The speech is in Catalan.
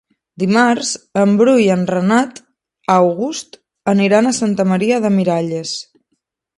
Dimarts en Bru i en Renat August aniran a Santa Maria de Miralles.